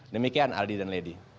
demikian aldi dan lady